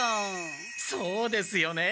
そうですよね。